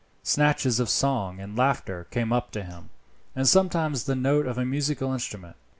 Snatches of song and laughter came up to him, and sometimes the note of a musical instrument.